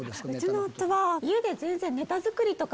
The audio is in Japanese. うちの夫は。